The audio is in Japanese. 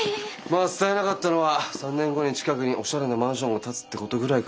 まあ伝えなかったのは３年後に近くにおしゃれなマンションが建つってことぐらいかな。